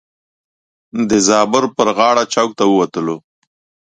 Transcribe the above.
د زابر پر غاړه چوک ته ووتلو.